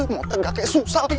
mau tegak kayak susah lagi